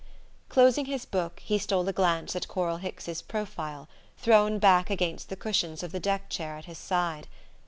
Closing his book he stole a glance at Coral Hicks's profile, thrown back against the cushions of the deck chair at his side.